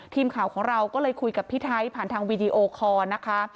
ทีมข่าวของเราก็เลยคุยกับพี่ไทยผ่านทางวีดีโอคอร์นะคะ